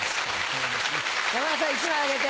山田さん１枚あげて。